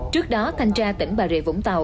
trước đó thanh tra tỉnh bà rịa vũng tàu